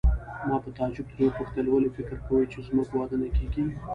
ما په تعجب ترې وپوښتل: ولې فکر کوې چې زموږ واده نه کیږي؟